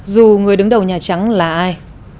dù người đứng đầu nhà trắng là ai